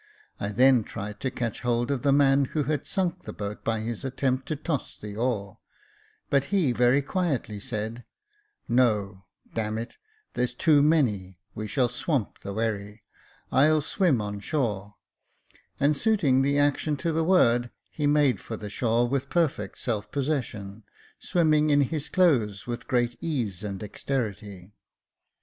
I then tried to catch hold of the man who had sunk the boat by his attempt to toss the oar, but he very quietly said, " No, d — n it, there's too many ; we shall swamp the wherry ; I'll swim on shore," — and suiting the action to the word, he made for the shore with perfect self possession, swimming in his clothes with great ease and dexterity.